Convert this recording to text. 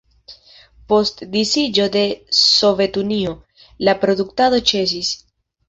Post disiĝo de Sovetunio, la produktado ĉesis.